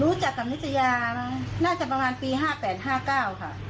รู้จักกับนิจจัยาณน่าจะประมาณปีห้าแปดห้าเก้าค่ะ